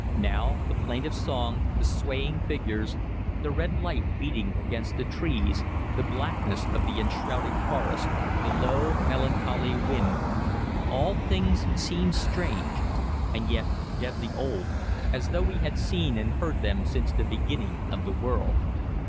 Now, the plaintive song, the swaying figures, the red light beating against the trees, the blackness of the enshrouding forest, the low, melancholy wind, all things seemed strange, and yet deadly old, as though we had seen and heard them since the beginning of the world.